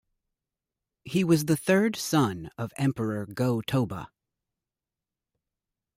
He was the third son of Emperor Go-Toba.